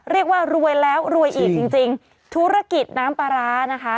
เรียกว่ารวยแล้วรวยอีกจริงจริงธุรกิจน้ำปลาร้านะคะ